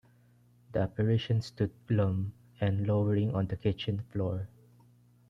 The apparition stood glum and lowering on the kitchen floor.